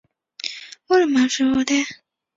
蒙特雷阿莱苏斯人口变化图示